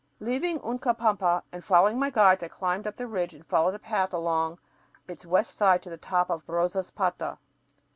Leaving Uncapampa and following my guides, I climbed up the ridge and followed a path along its west side to the top of Rosaspata.